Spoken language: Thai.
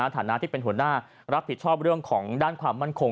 ฐานะที่เป็นหัวหน้ารับผิดชอบเรื่องของด้านความมั่นคง